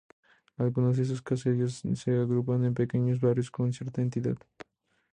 Algunos de estos caseríos se agrupan en pequeños barrios con cierta entidad.